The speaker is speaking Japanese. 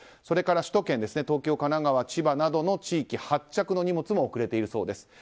それから首都圏東京、神奈川、千葉などの地域発着の荷物も遅れているそうです。